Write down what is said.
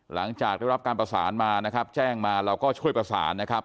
หลังจากได้รับการประสานมานะครับแจ้งมาเราก็ช่วยประสานนะครับ